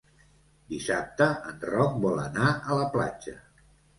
Dissabte en Roc vol anar a la platja.